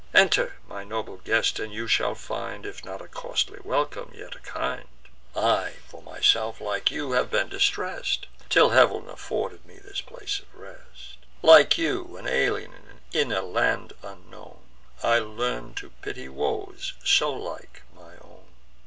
Enter, my noble guest, and you shall find, If not a costly welcome, yet a kind: For I myself, like you, have been distress'd, Till Heav'n afforded me this place of rest; Like you, an alien in a land unknown, I learn to pity woes so like my own."